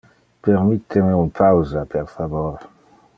Permitte me un pausa, per favor.